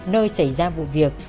nơi xảy ra vụ việc